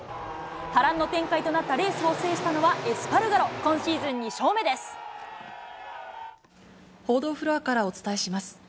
波乱の展開となったレースを制したのは、エスパルガロ、今シーズ報道フロアからお伝えします。